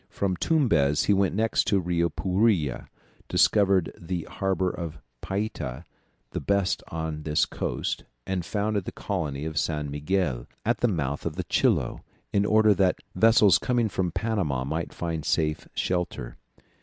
From Tumbez he went next to the Rio Puira, discovered the harbour of Payta, the best on this coast, and founded the colony of San Miguel, at the mouth of the Chilo, in order that vessels coming from Panama might find a safe shelter.